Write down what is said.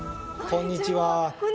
こんにちは！